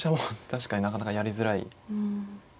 確かになかなかやりづらい。